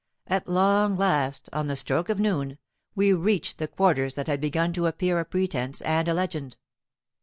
At long last, on the stroke of noon, we reach the quarters that had begun to appear a pretense and a legend.